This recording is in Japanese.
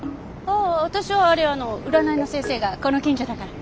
ああ私はあれ占いの先生がこの近所だから。